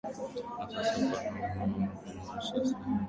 na sasa fahamu namna kuimarisha siha yako kwa kusikiliza makala ya siha njema